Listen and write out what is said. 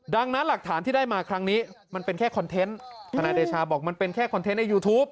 ดังนั้นหลักฐานที่ได้มาครั้งนี้มันเป็นแค่คอนเทนต์ทนายเดชาบอกมันเป็นแค่คอนเทนต์ในยูทูป